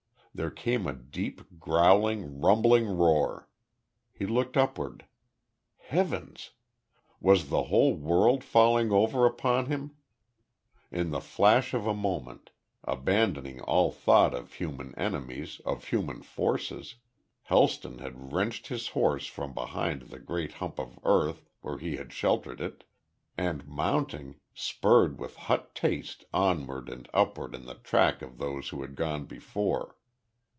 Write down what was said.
There came a deep, growling, rumbling roar. He looked upward. Heavens! Was the whole world falling over upon him? In the flash of a moment, abandoning all thought of human enemies of human forces, Helston had wrenched his horse from behind the great hump of earth where he had sheltered it, and mounting, spurred with hot haste onward and upward in the track of those who had gone before.